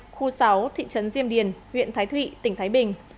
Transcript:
khu sáu thị trấn diêm điền huyện thái thụy tỉnh thái bình